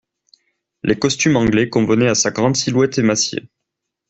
Les costumes anglais convenaient à sa grande silhouette émaciée.